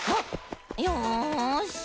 よし。